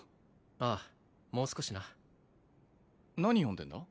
ああもう少しな何読んでんだ？